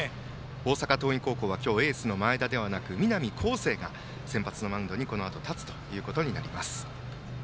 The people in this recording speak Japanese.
大阪桐蔭高校は今日、エースの前田ではなく南恒誠が先発のマウンドに立つことになります。